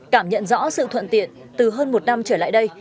cảm nhận rõ sự thuận tiện từ hơn một năm trở lại đây